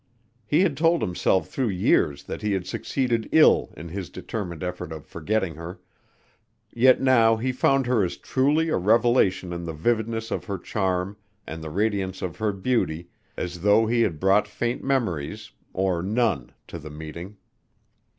He had told himself through years that he had succeeded ill in his determined effort of forgetting her; yet now he found her as truly a revelation in the vividness of her charm and the radiance of her beauty as though he had brought faint memories or none to the meeting.